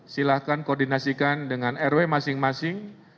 silahkan koordinasikan dengan rw masing masing